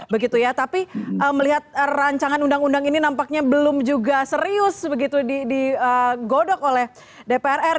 begitu ya tapi melihat rancangan undang undang ini nampaknya belum juga serius begitu di godok oleh dprr